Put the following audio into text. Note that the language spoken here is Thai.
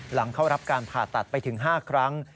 หลังเข้ารับการผ่าตัดไปถึง๕ครั้ง